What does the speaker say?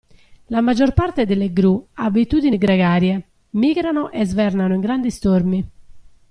La maggior parte delle gru ha abitudini gregarie, migrano e svernano in grandi stormi.